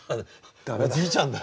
おじいちゃんだ。